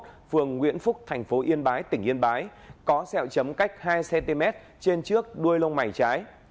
tổ hai mươi một phường nguyễn phúc thành phố yên bái tỉnh yên bái có xeo chấm cách hai cm trên trước đuôi lông mày trái